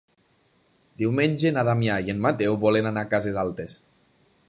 Diumenge na Damià i en Mateu volen anar a Cases Altes.